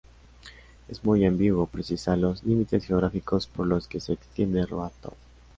Es muy ambiguo precisar los límites geográficos por los que se extiende Road Town.